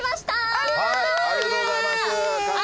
ありがとうございます。